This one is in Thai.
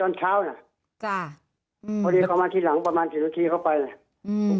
อืมพอนี้ประมาณที่หลังประมาณถึงถูกเทียวเข้าไปแหละอืม